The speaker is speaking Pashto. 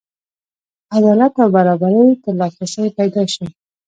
عدالت او برابرۍ ته لاسرسی پیدا شي.